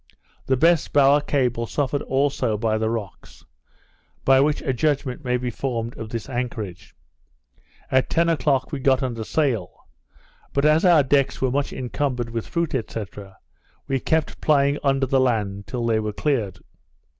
The best bower cable suffered also by the rocks; by which a judgment may be formed of this anchorage. At ten o'clock we got under sail; but as our decks were much encumbered with fruit, &c. we kept plying under the land till they were cleared.